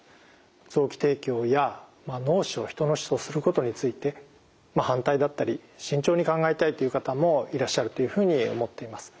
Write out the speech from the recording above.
臓器提供や脳死を人の死とすることについて反対だったり慎重に考えたいっていう方もいらっしゃるというふうに思っています。